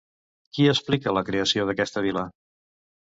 Qui explica la creació d'aquesta vila?